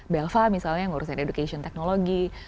belva misalnya ngurusin education technology